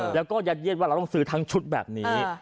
แล้วก็ยัดเยียดว่าเราต้องซื้อทั้งชุดแบบนี้